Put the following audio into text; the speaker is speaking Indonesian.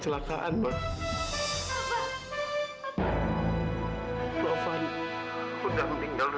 tidak mungkin taufan meninggal